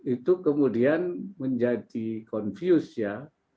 itu kemudian menjadi confuse ya